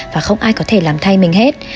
và không ai có thể làm thay mình hết